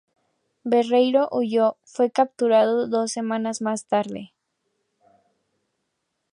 Barreiro huyó; fue capturado dos semanas más tarde.